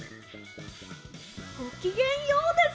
ごきげんＹＯです！